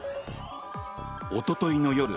おとといの夜